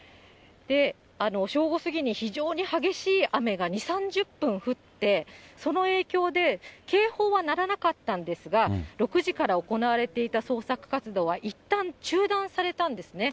正午過ぎに非常に激しい雨が２、３０分降って、その影響で警報は鳴らなかったんですが、６時から行われていた捜索活動は、いったん中断されたんですね。